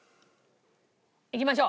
いきましょう。